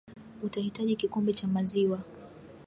Utahitaji kikombe cha maziwa